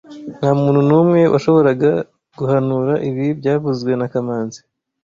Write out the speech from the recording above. Ntamuntu numwe washoboraga guhanura ibi byavuzwe na kamanzi